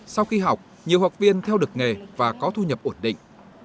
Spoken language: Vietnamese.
sau khi học nhiều học viên theo được nghề và có thu nhập ổn định